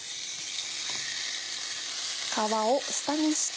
皮を下にして。